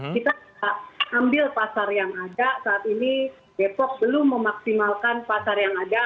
kita ambil pasar yang ada saat ini depok belum memaksimalkan pasar yang ada